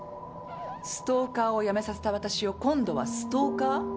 ストーカーをやめさせたわたしを今度はストーカー？